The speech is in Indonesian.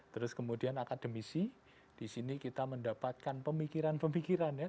terus kemudian akademisi disini kita mendapatkan pemikiran pemikiran ya